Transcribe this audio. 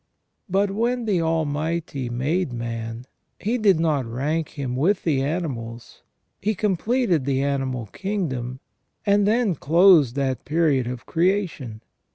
But when the Almighty made man. He did not rank him with the animals, He completed the animal kingdom and then closed that period of creation.